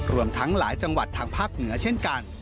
รวมทั้งหลายจังหวัดทางภาคเหนือเช่นกัน